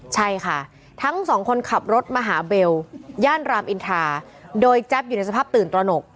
ใช่ค่ะทั้งสองคนขับรถมาหาเบลย่านรามอินทราโดยแจ๊บอยู่ในสภาพตื่นตระหนก